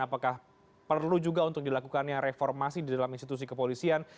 apakah perlu juga untuk dilakukannya reformasi di dalam institusi kepolisian